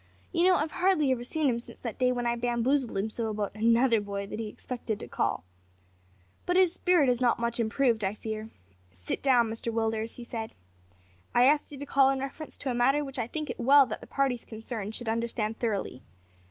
You know I have hardly ever seen him since that day when I bamboozled him so about `another boy' that he expected to call. But his spirit is not much improved, I fear. `Sit down, Mr Willders,' he said. `I asked you to call in reference to a matter which I think it well that the parties concerned should understand thoroughly.